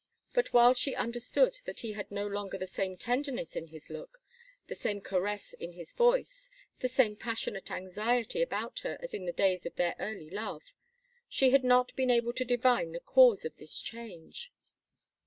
But while she understood that he had no longer the same tenderness in his look, the same caress in his voice, the same passionate anxiety about her as in the days of their early love, she had not been able to divine the cause of this change.